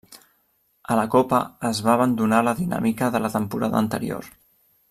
A la Copa es va abandonar la dinàmica de la temporada anterior.